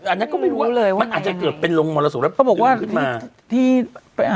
อันนั้นก็ไม่รู้มันอาจเกิดเป็นลงมรสุรแล้วดึงขึ้นมา